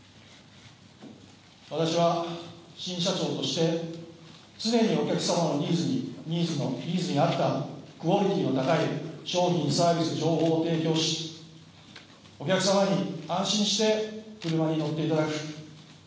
私は新社長として常にお客様のニーズに合ったクオリティーの高い商品、サービス、情報を提供しお客様に安心して車に乗っていただく。